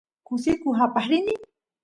kusikus aqaq rini